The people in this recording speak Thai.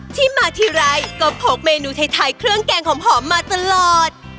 ที่มาทีไรก็พกเมนูไทยเครื่องแกงหอมมาตลอด